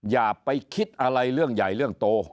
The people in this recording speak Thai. อย่าไปคิดอะไรเรื่องใหญ่เรื่องโต